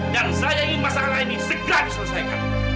dan saya ingin masalah ini segera diselesaikan